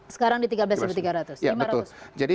tiga belas delapan ratus sekarang di tiga belas tujuh ratus